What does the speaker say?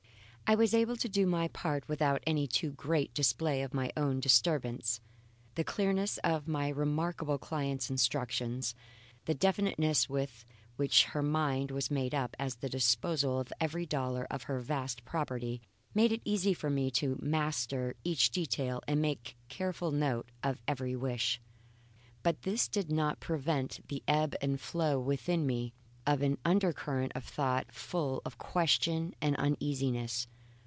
I was able to do my part without any too great display of my own disturbance. The clearness of my remarkable client's instructions, the definiteness with which her mind was made up as to the disposal of every dollar of her vast property, made it easy for me to master each detail and make careful note of every wish. But this did not prevent the ebb and flow within me of an undercurrent of thought full of question and uneasiness.